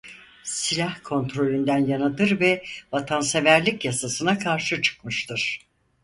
Silah kontrolünden yanadır ve Vatanseverlik Yasasına karşı çıkmıştır.